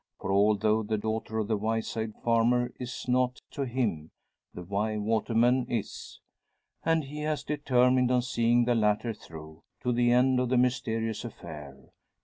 For, although the daughter of the Wyeside farmer is nought to him, the Wye waterman is; and he has determined on seeing the latter through to the end of the mysterious affair.